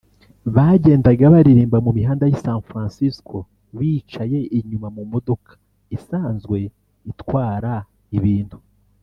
Bagendaga baririmba mu mihanda y’i San Francisco bicaye inyuma mu modoka isanzwe itwara ibintu